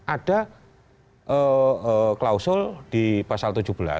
ada klausul di pasal tujuh belas